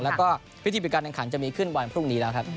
แล้วก็พิธีปิดการแข่งขันจะมีขึ้นวันพรุ่งนี้แล้วครับ